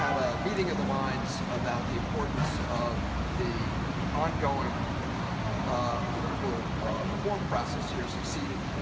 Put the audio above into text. เมื่อไทยกำลังติดต่อไปในสถานการณ์ของโลกภาพเราพูดถึงเรื่องนั้น